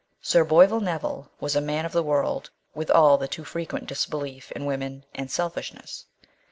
Sir Boyvill Neville was a man of the world with all the too frequent disbelief in women and selfishness.